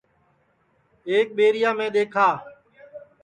ایک ٻیریا میں دؔیکھا